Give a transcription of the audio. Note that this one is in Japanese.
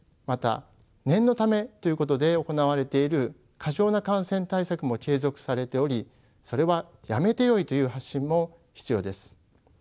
また念のためということで行われている過剰な感染対策も継続されておりそれはやめてよいという発信も必要です。